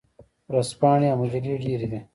ورځپاڼې او مجلې ډیرې دي.